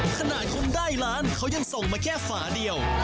ขนาดคนได้ล้านเขายังส่งมาแค่ฝาเดียว